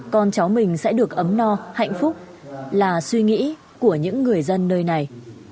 con cháu mình sẽ được ấm no hạnh phúc là suy nghĩ của những người dân nơi này